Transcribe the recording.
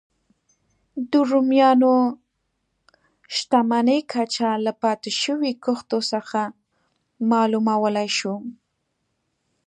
د رومیانو شتمنۍ کچه له پاتې شویو کښتیو څخه معلومولای شو